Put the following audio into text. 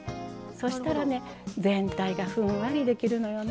そしたらね全体がふんわりできるのよね。